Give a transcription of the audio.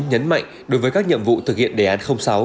đồng hành đối với các nhiệm vụ thực hiện đề án sáu